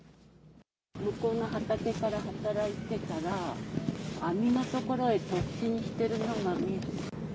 向こうの畑で働いてたら、網の所へ突進しているのが見えた。